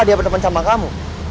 dia berteman sama kamu